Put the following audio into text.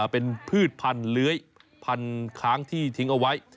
เป็นพืชพันธุ์เลื้อยพันธุ์ค้างที่ทิ้งเอาไว้